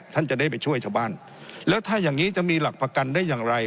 ท่านจะได้ไปช่วยชาวบ้านแล้วถ้าอย่างนี้จะมีหลักประกันได้อย่างไร